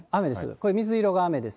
これ、水色が雨です。